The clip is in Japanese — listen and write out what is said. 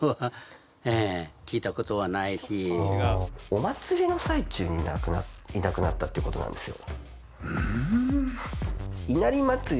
お祭りの最中にいなくなったってことなんですよ。